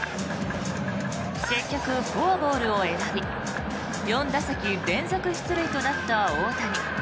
結局フォアボールを選び４打席連続出塁となった大谷。